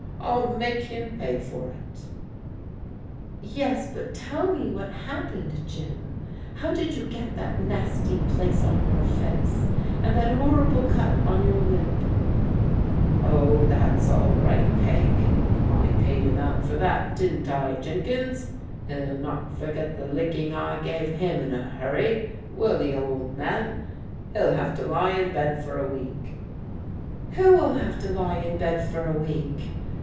I'll make him pay for it !"" Yes, but tell me what happened, Jim. How did you get that nasty place on your face, and that lM>m\Afc coX on ycfor lip? 99 ti «((« tt 196 PEODIGAL DAUGHTEBS " Oh, that's all right, Peg. I paid him out for that, didn't I, Jenkins? He'll not forget the licking I gave him in a hurry, will he, old man? He'll have to lie in bed for a week.'* " Who'll have to lie in bed for a week?"